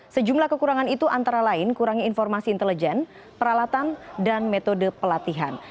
sejumlah kekurangan itu antara lain kurangnya informasi intelijen peralatan dan metode pelatihan